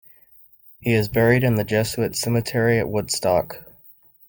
He is buried in the Jesuit cemetery at Woodstock.